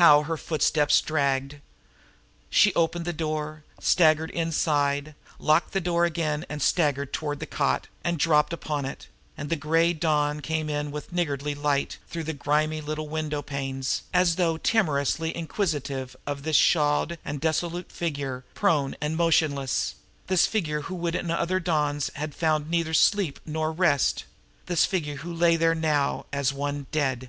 How her footsteps dragged! She opened the door, staggered inside, locked the door again, and staggered toward the cot, and dropped upon it; and the gray dawn came in with niggardly light through the grimy little window panes, as though timorously inquisitive of this shawled and dissolute figure prone and motionless, this figure who in other dawns had found neither sleep nor rest this figure who lay there now as one dead.